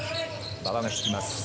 馬場がつきます。